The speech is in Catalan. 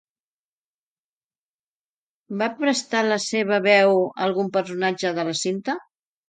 Va prestar la seva veu algun personatge de la cinta?